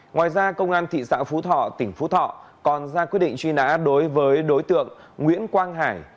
ngoài ra công an thị xã phú thọ tỉnh phú thọ còn ra quyết định truy nã đối với đối tượng nguyễn quang hải